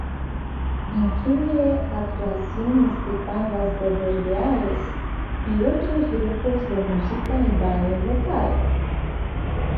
Incluye actuaciones de pandas de verdiales y otros grupos de música y baile local.